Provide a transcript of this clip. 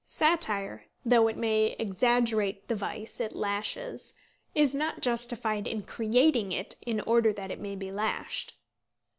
Satire, though it may exaggerate the vice it lashes, is not justified in creating it in order that it may be lashed.